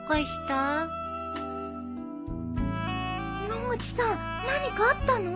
野口さん何かあったの？